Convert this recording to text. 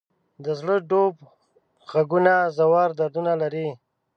د زړه ډوب ږغونه ژور دردونه لري.